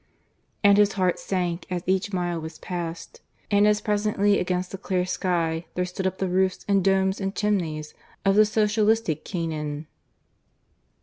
And his heart sank as each mile was passed, and as presently against the clear sky there stood up the roofs and domes and chimneys of the socialistic Canaan.